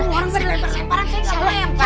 semua orang pada lebaran parang saya gak mau rempah